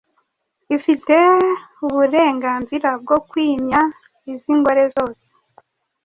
ifite uburenganzira bwo kwimya iz’ingore zose